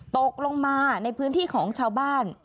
ตกลงมาในพื้นที่ของชาวบ้าน